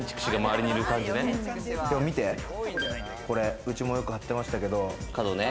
でも見て、これ、うちもよく貼ってましたけど。